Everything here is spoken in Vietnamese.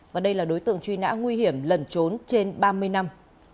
và đây là đối tượng truy nã nguy hiểm lần trốn trên ba mươi năm